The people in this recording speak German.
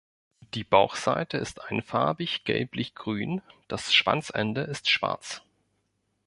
Die Bauchseite ist einfarbig gelblichgrün, das Schwanzende ist schwarz.